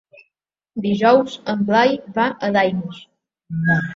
Dijous en Blai va a Daimús.